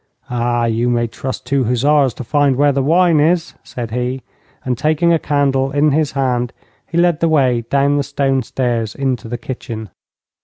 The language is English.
'Ah, you may trust two hussars to find where the wine is,' said he, and taking a candle in his hand, he led the way down the stone stairs into the kitchen.